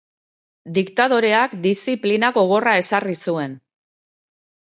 Diktadoreak diziplina gogorra ezarri zuen.